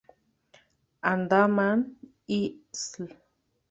Andaman, Is.